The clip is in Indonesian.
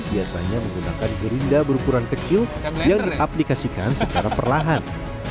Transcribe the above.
biasanya menggunakan gerinda berukuran kecil yang diaplikasikan secara perlahan